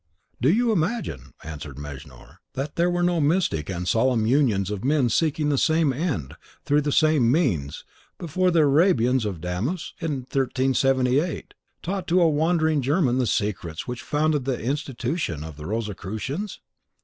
"Do you imagine," answered Mejnour, "that there were no mystic and solemn unions of men seeking the same end through the same means before the Arabians of Damus, in 1378, taught to a wandering German the secrets which founded the Institution of the Rosicrucians?